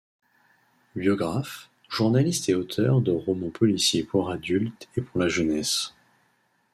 Biographe, journaliste et auteur de romans policiers pour adultes et pour la jeunesse.